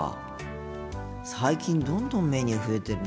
最近どんどんメニュー増えてるなあ。